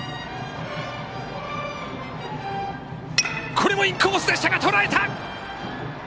これもインコースでしたがとらえた！